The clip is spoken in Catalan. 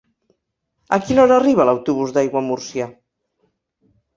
A quina hora arriba l'autobús d'Aiguamúrcia?